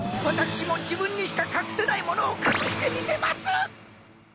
私も自分にしか隠せないものを隠してみせます！